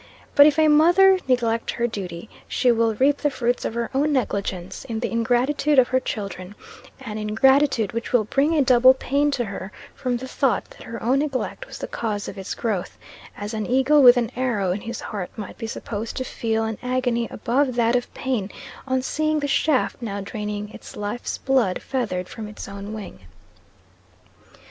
But if a mother neglect her duty, she will reap the fruits of her own negligence in the ingratitude of her children an ingratitude which will bring a double pain to her, from the thought that her own neglect was the cause of its growth, as an eagle with an arrow in his heart might be supposed to feel an agony above that of pain on seeing the shaft now draining its life's blood feathered from its own wing.